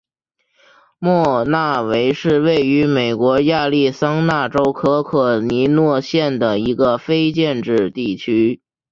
莫纳维是位于美国亚利桑那州可可尼诺县的一个非建制地区。